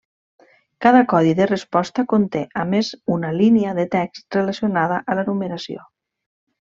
Cada codi de resposta conté a més una línia de text relacionada a la numeració.